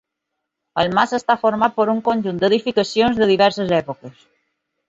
El mas està format per un conjunt d'edificacions de diverses èpoques.